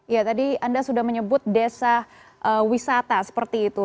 ya tadi anda sudah menyebut desa wisata seperti itu